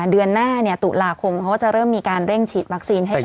เดือนหน้าตุลาคมเขาก็จะเริ่มมีการเร่งฉีดวัคซีนให้กับ